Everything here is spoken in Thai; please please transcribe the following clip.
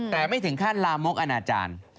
แต่ไม่ถึงขั้นลามกนักธุรกิจอาณาจารย์